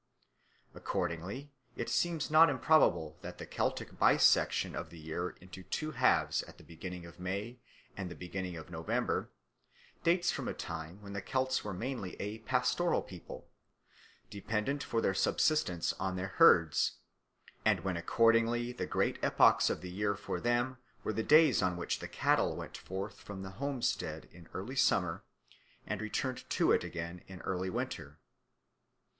Accordingly it seems not improbable that the Celtic bisection of the year into two halves at the beginning of May and the beginning of November dates from a time when the Celts were mainly a pastoral people, dependent for their subsistence on their herds, and when accordingly the great epochs of the year for them were the days on which the cattle went forth from the homestead in early summer and returned to it again in early winter.